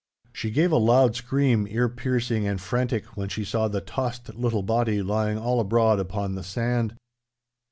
She gave a loud scream, ear piercing and frantic, when she saw the tossed little body lying all abroad upon the sand.